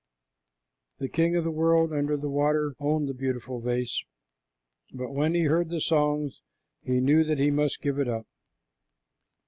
The king of the world under the water owned the beautiful vase, but when he heard the songs, he knew that he must give it up.